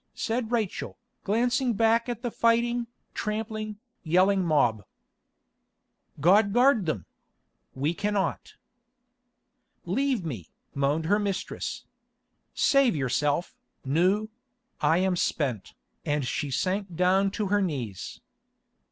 said Rachel, glancing back at the fighting, trampling, yelling mob. "God guard them! We cannot." "Leave me," moaned her mistress. "Save yourself, Nou; I am spent," and she sank down to her knees.